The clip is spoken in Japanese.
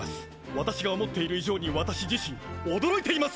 私が思っている以上に私自身驚いています！